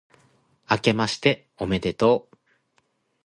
あけましておめでとう、